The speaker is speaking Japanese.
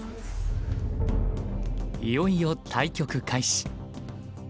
いよいよ対局開始。